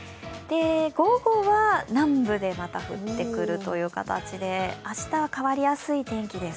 午後は南部でまた降ってくるという形で明日は変わりやすい天気です。